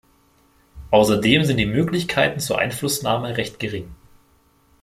Außerdem sind die Möglichkeiten zur Einflussnahme recht gering.